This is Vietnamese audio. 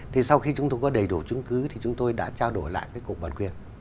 thì sau khi chúng tôi có đầy đủ chứng cứ thì chúng tôi đã trao đổi lại cục bạch quỳnh